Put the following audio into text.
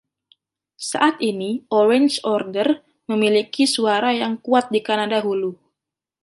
Saat ini, Orange Order memiliki suara yang kuat di Kanada Hulu.